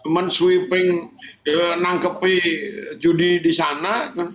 men sweeping menangkapi judi di sana